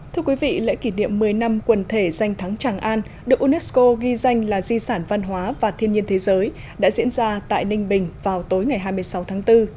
thưa quý vị lễ kỷ niệm một mươi năm quần thể danh thắng tràng an được unesco ghi danh là di sản văn hóa và thiên nhiên thế giới đã diễn ra tại ninh bình vào tối ngày hai mươi sáu tháng bốn